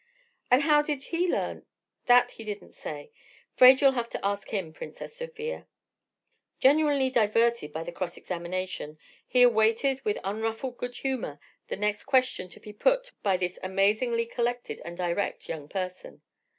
"And how did he learn—?" "That he didn't say. 'Fraid you'll have to ask him, Princess Sofia." Genuinely diverted by the cross examination, he awaited with unruffled good humour the next question to be put by this amazingly collected and direct young person.